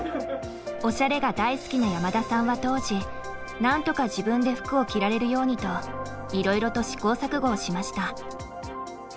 おしゃれが大好きな山田さんは当時なんとか自分で服を着られるようにといろいろと試行錯誤をしました。